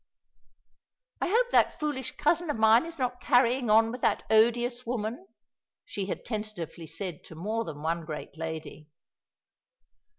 "I hope that foolish cousin of mine is not carrying on with that odious woman," she had said tentatively to more than one great lady.